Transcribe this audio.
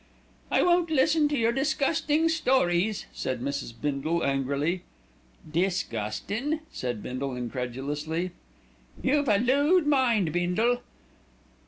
'" "I won't listen to your disgusting stories," said Mrs. Bindle angrily. "Disgustin'?" said Bindle incredulously. "You've a lewd mind, Bindle."